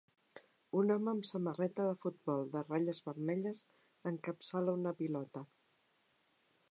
Un home amb samarreta de futbol de ratlles vermelles encapçala una pilota.